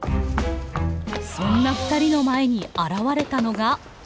そんなふたりの前に現れたのが。